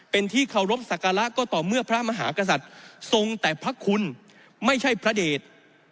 เป็นที่เคารพสักการะก็ต่อเมื่อพระมหากษัตริย์ทรงแต่พระคุณไม่ใช่พระเดช